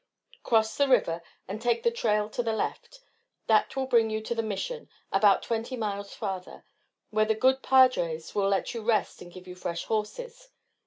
Cross the river and take the trail to the left. That will bring you to the Mission about twenty miles farther where the good padres will let you rest and give you fresh horses.